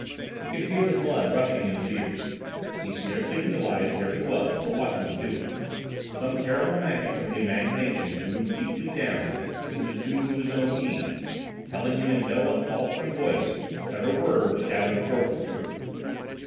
He could hear the blood rushing in his ears. He scarcely realised where he was or what he was doing. Some terrible magic of the imagination drew him deeply down into the tombs of his own being, telling him in no unfaltering voice that her words shadowed forth the truth.